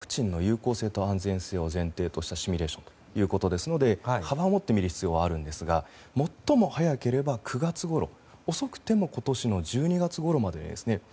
これはあくまでもワクチンの有効性と安全性を前提としたシミュレーションということですので幅を持って見る必要はありますが最も早ければ９月ごろ遅くても今年の１２月ごろまでですね